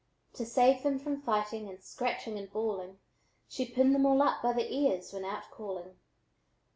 To save them from fighting and scratching and bawling, She pinned them all up by the ears when out calling.